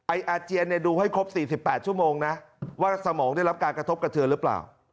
อาเจียนดูให้ครบ๔๘ชั่วโมงนะว่าสมองได้รับการกระทบกระเทือนหรือเปล่า